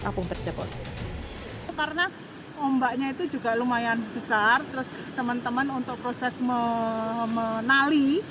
tabung tersebut karena ombaknya itu juga lumayan besar terus teman teman untuk proses menali